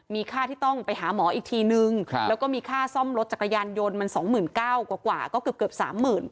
มีค่าที่ต้องไปหาหมออีกทีหนึ่งแล้วก็มีค่าซ่อมรถจักรยานยนต์มันสองหมื่นเก้ากว่ากว่าก็เกือบเกือบสามหมื่น